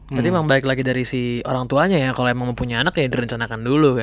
berarti memang balik lagi dari si orang tuanya ya kalau emang mempunyai anak ya direncanakan dulu ya